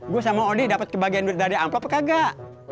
gua sama odi dapat kebagian dari angkab kagak